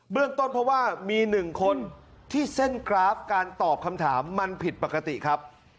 เรื่องต้นเพราะว่ามี๑คนที่เส้นกราฟการตอบคำถามมันผิดปกติครับ